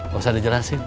gak usah dijelasin